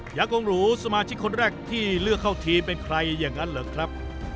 ยากงหรูสมาชิกคนแรกที่เลือกเข้าทีมเป็นใครอย่างนั้นเหรอครับ